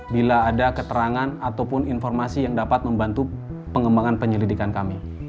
bila ada keterangan ataupun informasi yang dapat membantu pengembangan penyelidikan kami